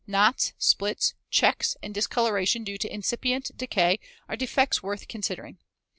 Knots, splits, checks, and discoloration due to incipient decay are defects worth considering.